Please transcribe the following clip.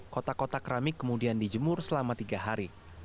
kotak kotak keramik kemudian dijemur selama tiga hari